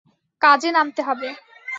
কাজে নামতে হবে।